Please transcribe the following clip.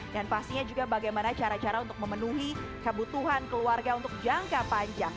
dan pastinya juga bagaimana cara cara untuk memenuhi kebutuhan keluarga untuk jangka panjang